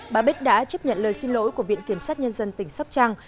bà bích đã chấp nhận lời xin lỗi của viện kiểm sát nhân dân tỉnh sóc trăng